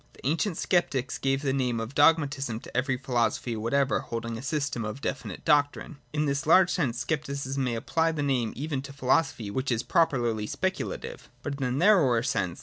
The ancient Sceptics gave the name of Dogmatism to every philosophy whatever holding a system of definite doctrine. In this large sense Scepticism may apply the name even to philosophy which is properly Specu lative. But in the narrower sense.